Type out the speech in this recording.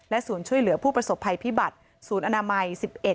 ศูนย์ช่วยเหลือผู้ประสบภัยพิบัติศูนย์อนามัย๑๑